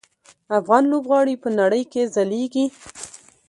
افغان لوبغاړي په نړۍ کې ځلیږي.